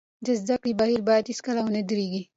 د زده کړې بهیر باید هېڅکله ونه درېږي.